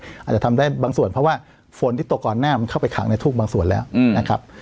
อาจจะทำได้บางส่วนเพราะว่าฝนที่ตกก่อนหน้ามันเข้าไปขังในทุ่งบางส่วนแล้วนะครับ